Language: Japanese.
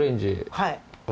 はい。